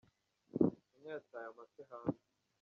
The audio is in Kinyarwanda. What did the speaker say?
Inka yataye amase hanze.